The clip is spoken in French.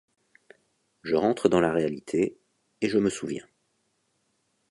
Je rentre dans la réalité, et je me souviens!